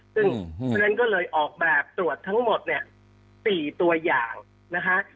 เพราะฉะนั้นก็เลยออกแบบตรวจทั้งหมดเนี่ย๔ตัวอย่างนะคะ